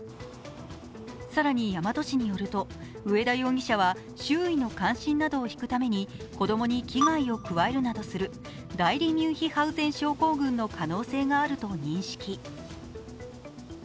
更に、大和市によると上田容疑者は周囲の関心などを引くために子供に危害を加えるなどする代理ミュンヒハウゼン症候群の可能性があると認識。